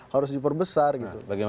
harus diperbesar gitu